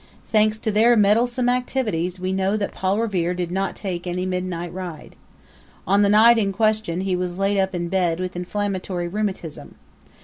Thanks to their meddlesome activities we know that Paul Revere did not take any midnight ride. On the night in question he was laid up in bed with inflammatory rheumatism.